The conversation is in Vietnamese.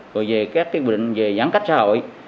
rồi về các quy định về giãn cách xã hội